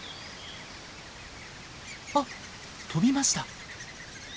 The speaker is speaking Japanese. あっ飛びました。